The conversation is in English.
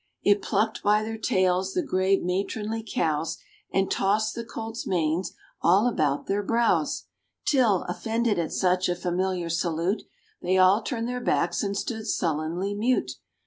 It plucked by their tails the grave matronly cows, And tossed the colts' manes all about their brows, Till, offended at such a familiar salute, They all turned their backs, and stood sullenly mute.